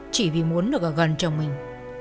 chỉ vì muốn được ở gần chồng mình